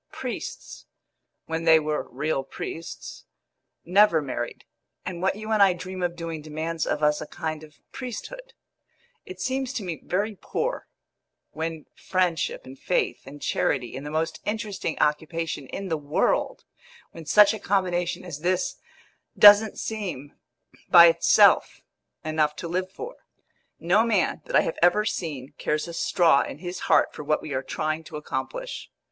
Priests when they were real priests never married, and what you and I dream of doing demands of us a kind of priesthood. It seems to me very poor, when friendship and faith and charity and the most interesting occupation in the world when such a combination as this doesn't seem, by itself, enough to live for. No man that I have ever seen cares a straw in his heart for what we are trying to accomplish.